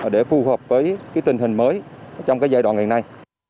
để phù hợp với tình hình mới trong giai đoạn hiện nay